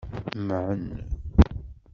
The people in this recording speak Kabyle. Mɛen.